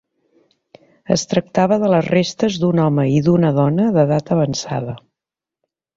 Es tractava de les restes d'un home i d'una dona d'edat avançada.